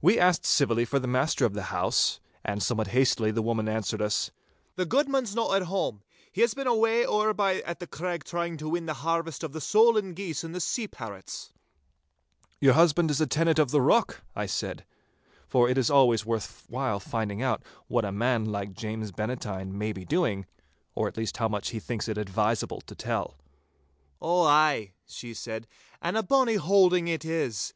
We asked civilly for the master of the house, and somewhat hastily the woman answered us,— 'The guidman's no at hame. He has been away ower by at the Craig trying to win the harvest of the solan geese and sea parrots.' 'Your husband is tenant of the rock?' I said, for it is always worth while finding out what a man like James Bannatyne may be doing, or at least how much he thinks it advisable to tell. 'Ow ay,'she said, 'and a bonny holding it is.